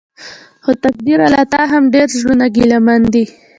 خو تقديره له تا هم ډېر زړونه ګيلمن دي.